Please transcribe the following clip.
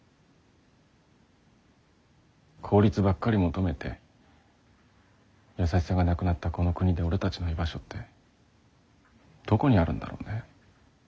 ・効率ばっかり求めて優しさがなくなったこの国で俺たちの居場所ってどこにあるんだろうね。